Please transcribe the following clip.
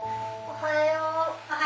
おはよう。